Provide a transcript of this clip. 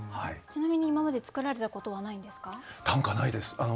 ちなみに今まで作られたことはないんですか？短歌ないです。